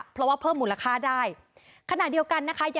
เพราะว่าเพิ่มมูลค่าได้ขณะเดียวกันนะคะ